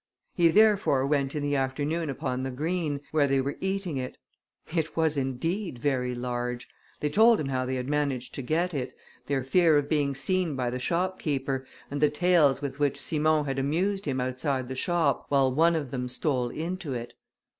He therefore went in the afternoon upon the green, where they were eating it. It was indeed very large. They told him how they had managed to get it, their fear of being seen by the shopkeeper, and the tales with which Simon had amused him outside the shop, while one of them stole into it.